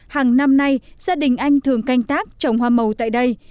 hàng năm nay gia đình anh thường canh tác trồng hoa màu tại đây